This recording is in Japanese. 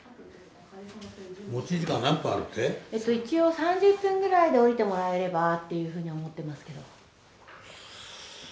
一応３０分ぐらいで降りてもらえればっていうふうに思ってますけど。